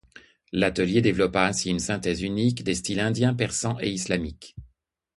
L'atelier développa ainsi une synthèse unique des styles indiens, persans et islamiques.